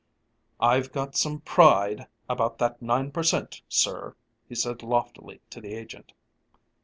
"I've got some pride about that nine per cent., sir," he said loftily to the agent.